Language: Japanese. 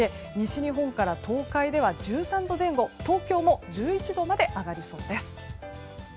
西日本から東海では１３度前後東京も１１度まで上がりそうです。